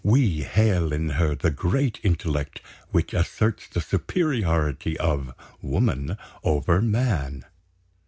We hail in her the great intellect which asserts the superiority of woman over man.